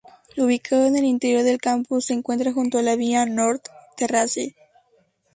Ubicado en el interior del campus, se encuentra junto a la vía North Terrace.